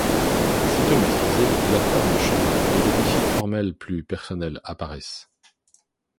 Sitôt maitrisée, la forme change et des défis formels plus personnels apparaissent.